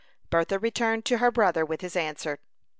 Bertha returned to her brother with his answer.